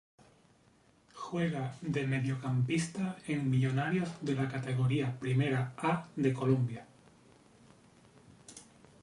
Juega de Mediocampista en Millonarios de la Categoría Primera A de Colombia.